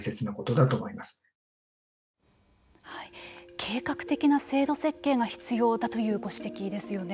計画的な制度設計が必要だというご指摘ですよね。